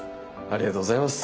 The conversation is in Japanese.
ありがとうございます。